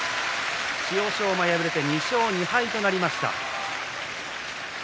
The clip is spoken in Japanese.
千代翔馬、敗れて２勝２敗となりました。